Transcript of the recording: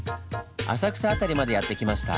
浅草辺りまでやって来ました。